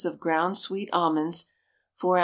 of ground sweet almonds, 4 oz.